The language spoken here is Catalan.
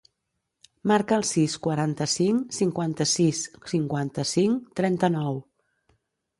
Marca el sis, quaranta-cinc, cinquanta-sis, cinquanta-cinc, trenta-nou.